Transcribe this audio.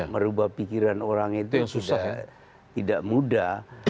merubah pikiran orang itu sudah tidak mudah